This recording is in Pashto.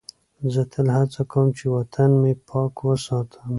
زه تل هڅه کوم چې وطن مې پاک وساتم.